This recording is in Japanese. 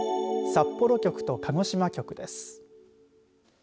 札幌局と鹿児島局です。